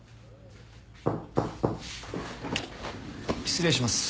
失礼します。